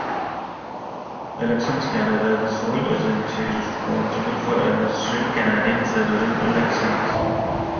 Elections Canada is the sole agency responsible for administering Canadian federal elections.